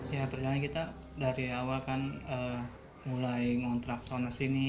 ya perjalanan kita dari awal kan mulai ngontrak soal nasi ini